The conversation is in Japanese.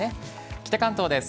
北関東です。